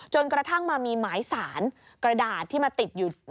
เพราะว่านี่มีหมายสานกระดาษที่มาติดอยู่